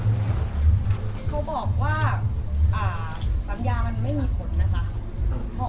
เขาบอกว่าอ่าสามยามันไม่มีผลนะคะอืม